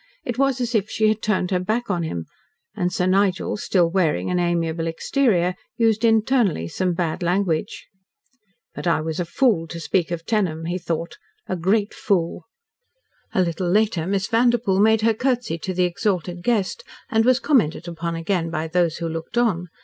It was as if she had turned her back on him, and Sir Nigel, still wearing an amiable exterior, used internally some bad language. "But I was a fool to speak of Tenham," he thought. "A great fool." A little later Miss Vanderpoel made her curtsy to the exalted guest, and was commented upon again by those who looked on.